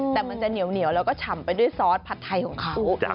แต่มันจะเหนียวแล้วก็ฉ่ำไปด้วยซอสผัดไทยของเขา